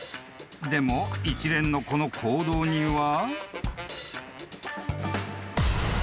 ［でも一連のこの行動には］